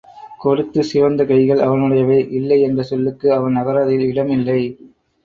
கொடுத்துச் சிவந்தகைகள் அவனுடையவை இல்லைஎன்ற சொல்லுக்கு அவன் அகராதியில் இடம் இல்லை.